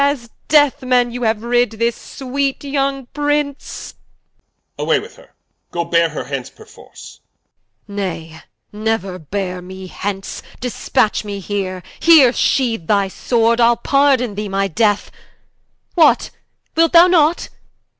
As deathsmen you haue rid this sweet yong Prince King. Away with her, go beare her hence perforce Qu. Nay, neuer beare me hence, dispatch me heere: Here sheath thy Sword, Ile pardon thee my death: What? wilt thou not?